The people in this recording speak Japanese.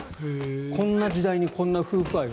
こんな時代にこんな夫婦愛が。